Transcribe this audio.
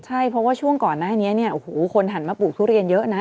ใช่เพราะว่าช่วงก่อนหน้านี้เนี่ยโอ้โหคนหันมาปลูกทุเรียนเยอะนะ